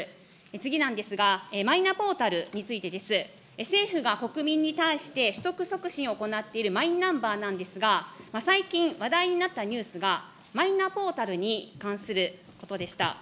次なんですが、マイナポータルについてです。政府が国民に対して、取得促進を行っているマイナンバーなんですが、最近、話題になったニュースが、マイナポータルに関することでした。